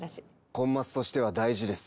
コンマスとしては大事です。